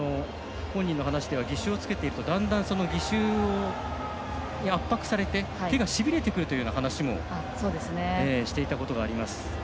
本人の話では義手をつけているとだんだん、義手に圧迫されて手がしびれてくるというような話もしていたことがあります。